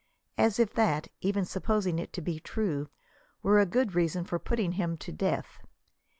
As if that, even supposing it to be true, were a good reason for our putting him to death.